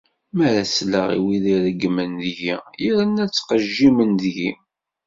Mi ara sleɣ i wid ireggmen deg-i yerna ttqejjimen deg-i.